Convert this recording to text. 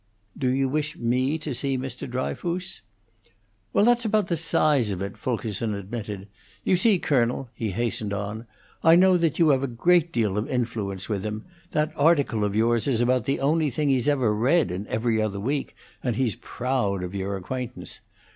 "Do you wish me to see Mr. Dryfoos?" "Well, that's about the size of it," Fulkerson admitted. "You see, colonel," he hastened on, "I know that you have a great deal of influence with him; that article of yours is about the only thing he's ever read in 'Every Other Week,' and he's proud of your acquaintance.